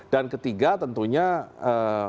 dan ketiga tentunya management